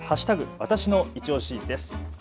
わたしのいちオシです。